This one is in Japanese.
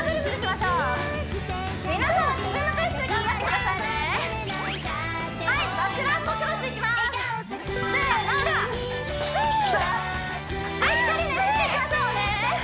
しっかりねじっていきましょうね